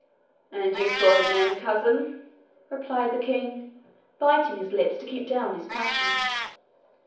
"And you saw him, then, cousin?" replied the King, biting his lips to keep down his passion.